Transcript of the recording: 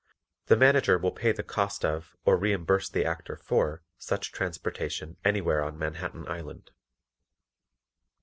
The Manager will pay the cost of or reimburse the Actor for such transportation anywhere on Manhattan Island.